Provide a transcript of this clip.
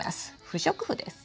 不織布です。